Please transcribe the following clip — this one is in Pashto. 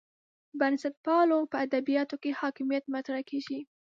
بنسټپالو په ادبیاتو کې حاکمیت مطرح کېږي.